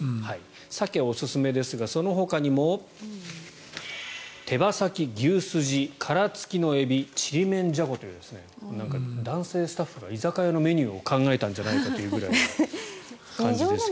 サケ、おすすめですがそのほかにも手羽先、牛筋殻付きのエビチリメンジャコという男性スタッフが居酒屋のメニューを考えたんじゃないかというくらいの感じですが。